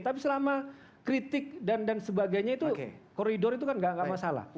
tapi selama kritik dan sebagainya itu koridor itu kan gak masalah